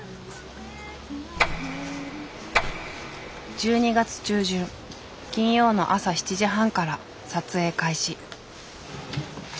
１２月中旬金曜の朝７時半から撮影開始。